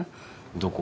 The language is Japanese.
どこ？